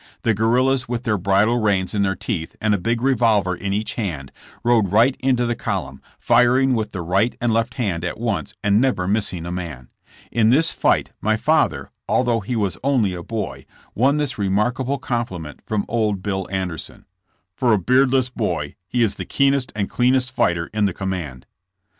The guerrillas with their bridle reins in their teeth and a big revolver in each hand, rode right into the Cvolumn, firing with the right and left hand at once and never missing a man. In this fight my father, although he was only a boy, won this remarkable compliment from old Bill Anderson : ''For a beardless boy he is the keenest and cleanest fighter in the command."